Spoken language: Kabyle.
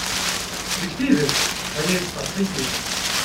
Deg tidet, aya yessefṛeḥ-iyi.